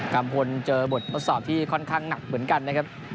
ัมพลเจอบททดสอบที่ค่อนข้างหนักเหมือนกันนะครับ